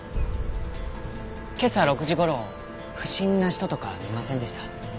今朝６時頃不審な人とか見ませんでした？